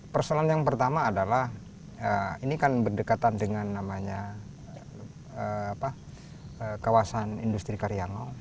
persoalan yang pertama adalah ini kan berdekatan dengan namanya kawasan industri karyango